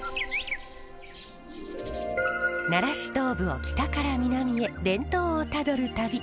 奈良市東部を北から南へ伝統をたどる旅。